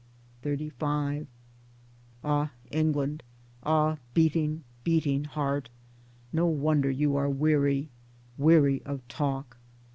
XXXV * Ah, England ! Ah, beating beating heart ! No wonder you are weary ! weary of talk